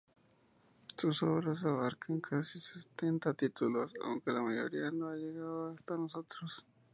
Sus obras abarcan casi setenta títulos, aunque la mayoría no ha llegado hasta nosotros.